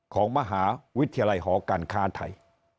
ของมหาวิทยาลัยหอการค้าไทย